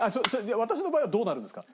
私の場合はどうなるんですか？